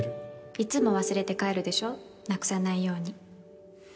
いつも忘れて帰るでしょなくさないように